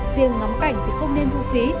riêng ngắm cảnh thì không nên thu phí